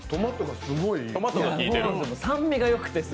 酸味がよくて。